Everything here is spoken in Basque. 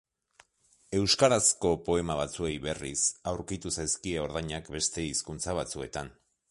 Euskarazko poema batzuei, berriz, aurkitu zaizkie ordainak beste hizkuntza batzuetan.